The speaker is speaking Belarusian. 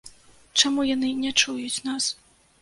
Чаму яны не чуюць нас?